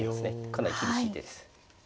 かなり厳しい手です。